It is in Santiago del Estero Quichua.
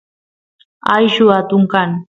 ayllu atun kan